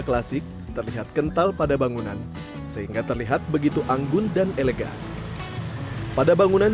klasik terlihat kental pada bangunan sehingga terlihat begitu anggun dan elegan pada bangunan